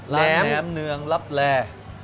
ร้านแหนมเนืองรับแล